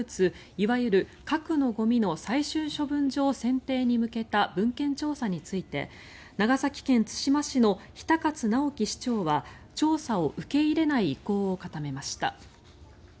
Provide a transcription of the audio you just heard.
いわゆる核のゴミの最終処分場選定に向けた文献調査について長崎県対馬市の比田勝尚喜市長は調査を受け入れない意向を固めました。